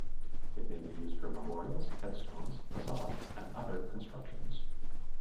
It may be used for memorials, headstones, facades and other constructions.